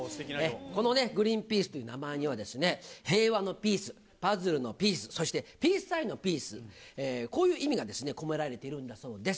このグリーンピースという名前には、平和のピース、パズルのピース、そしてピースサインのピース、こういう意味が込められているんだそうです。